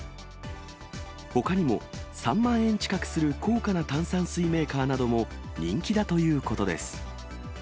ほかにも、３万円近くする高価な炭酸水メーカーなども人気だということです。